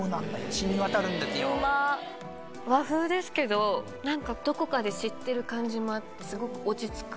和風ですけど何かどこかで知ってる感じもあってすごく落ち着く。